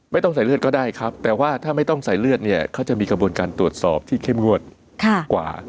ไม่ต้องใส่เลือดก็ได้ครับแต่ว่าถ้าไม่ต้องใส่เลือดเนี่ยเขาจะมีกระบวนการตรวจสอบที่เข้มงวดกว่า